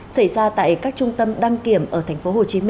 xảy ra tại các trung tâm đăng kiểm ở tp hcm